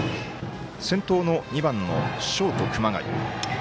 先頭の２番のショート、熊谷。